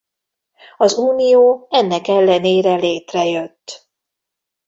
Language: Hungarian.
Az unió ennek ellenére létrejött.